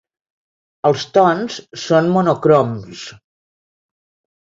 Els tons són monocroms.